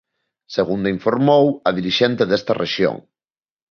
Segundo informou a dirixente desta rexión.